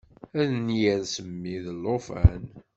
Ad n-yers mmi d llufan.